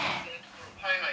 「はいはい」